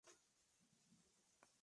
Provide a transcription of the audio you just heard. P. ej.